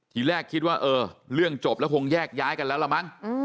ทีแรกคิดว่าเออเรื่องจบแล้วคงแยกย้ายกันแล้วล่ะมั้ง